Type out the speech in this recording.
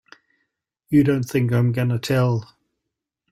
You don't think I'm gonna tell!